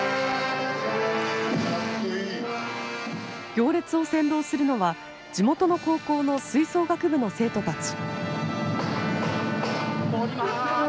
行列を先導するのは地元の高校の吹奏楽部の生徒たち。